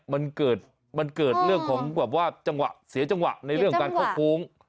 มันเกิดเรื่องของแบบว่าเสียจังหวะในเรื่องการเข้าโค้ง